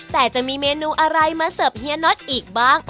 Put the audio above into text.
แต่จะมีเมนูอะไรมาเสิร์ฟเฮียน็อตอีกบ้าง